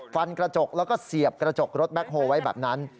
ฟันกระจกแล้วก็เสียบกระจกรถแบ็คโฮลไว้แบบนั้น